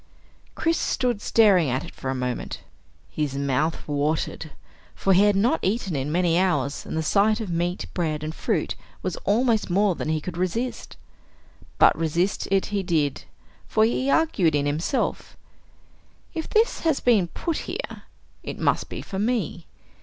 Chris stood staring at it for a moment. His mouth watered, for he had not eaten in many hours and the sight of meat, bread, and fruit was almost more than he could resist. But resist it he did, for he argued in himself: If this has been put here, it must be for me.